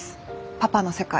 パパの世界。